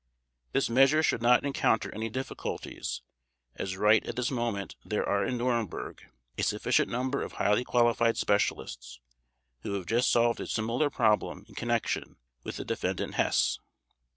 This measure should not encounter any difficulties, as right at this moment there are in Nuremberg a sufficient number of highly qualified specialists, who have just solved a similar problem in connection with the Defendant Hess.